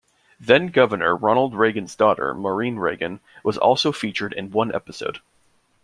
Then-Governor Ronald Reagan's daughter, Maureen Reagan, was also featured in one episode.